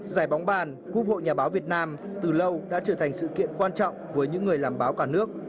giải bóng bàn quốc hội nhà báo việt nam từ lâu đã trở thành sự kiện quan trọng với những người làm báo cả nước